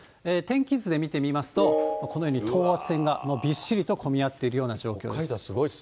天気図で見てみますと、このように等圧線がびっしりと混み合っている状況です。